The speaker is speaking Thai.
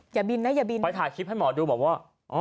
อย่าบินนะอย่าบินไปถ่ายคลิปให้หมอดูบอกว่า